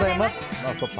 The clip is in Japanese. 「ノンストップ！」